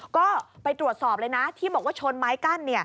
ก็ไปตรวจสอบเลยนะที่บอกว่าชนไม้กั้น